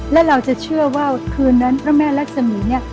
และเราจะเชื่อว่าคืนนั้นพระแม่รักษมีเนี่ย